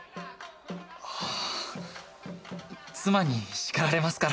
あっ妻に叱られますから。